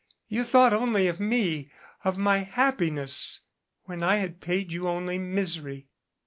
You thought only of me, of my happiness when I had paid you only misery."